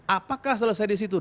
apakah selesai disitu